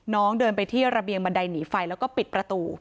น้องเดินไปที่ระเบียงบันไดหนีไฟแล้วก็ปิดประตู